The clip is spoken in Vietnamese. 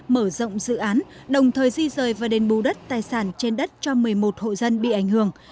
mở rộng dự án đồng thời di rời và đền bù đất tài sản trên đất cho một mươi một hộ dân bị ảnh hưởng